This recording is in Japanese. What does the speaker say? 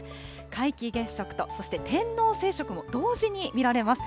皆既月食と、そして天王星食も同時に見られます。